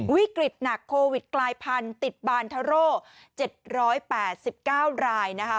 วิกฤตหนักโควิดกลายพันธุ์ติดบานเทอร์โร่๗๘๙รายนะคะ